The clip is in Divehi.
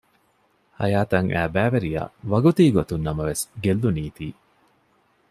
ހަޔާތަށް އައި ބައިވެރިޔާ ވަގުތީގޮތުން ނަމަވެސް ގެއްލުނީތީ